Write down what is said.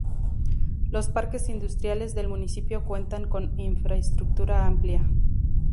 Los parques Industriales del municipio cuentan con infraestructura amplia.